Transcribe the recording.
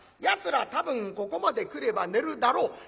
「やつら多分ここまで来れば寝るだろう」。